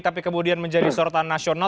tapi kemudian menjadi sorotan nasional